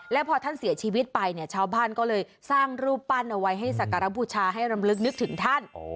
แล้วพอท่านเสียชีวิตไปเนี่ยชาวบ้านก็เลยสร้างรูปปั้นเอาไว้ให้สักการบูชาให้รำลึกนึกถึงท่าน